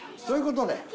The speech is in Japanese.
そういうことで。